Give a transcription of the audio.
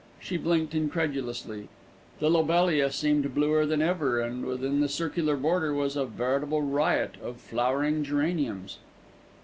She blinked incredulously. The lobelia seemed bluer than ever, and within the circular border was a veritable riot of flowering geraniums.